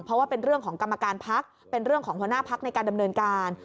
เพราะว่าเป็นเรื่องของกรรมการพักเป็นเรื่องของหัวหน้าพักในการดำเนินการ